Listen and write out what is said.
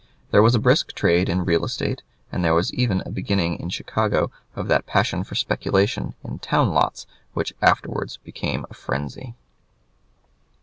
There was a brisk trade in real estate, and there was even a beginning in Chicago of that passion for speculation in town lots which afterwards became a frenzy.